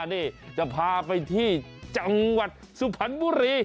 นี่จะพาไปที่จังหวัดสุพรรณบุรี